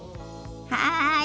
はい！